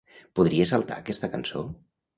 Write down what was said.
Podries saltar aquesta cançó?